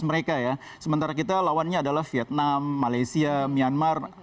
mereka ya sementara kita lawannya adalah vietnam malaysia myanmar